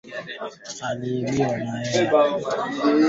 utahitajia Viazi lishe vibichi